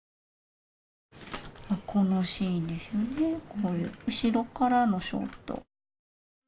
このシーンですよねこういう後ろからのショット。